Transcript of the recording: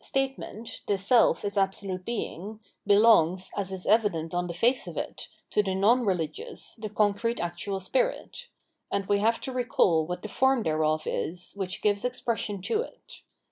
759 760 Phenomenology of Mind This statement, The Self is Absolute Being, belongs, as is evident on the face of it, to the non religious, the concrete actual spirit ; and we have^ to recall what the form thereof is which gives expression to it.